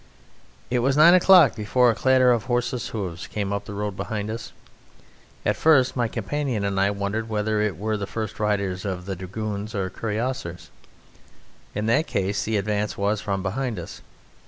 It was nine o'clock before a clatter of horse hoofs came up the road behind us. At first my companion and I wondered whether it were the first riders of the Dragoons or Cuirassiers. In that case the advance was from behind us.